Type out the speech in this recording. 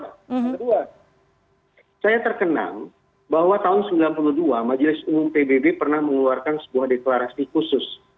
yang kedua saya terkenang bahwa tahun seribu sembilan ratus sembilan puluh dua majelis umum pbb pernah mengeluarkan sebuah deklarasi khusus